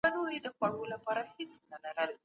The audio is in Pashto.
که دوی نیوکي وکړي موږ به یې ځواب کړو.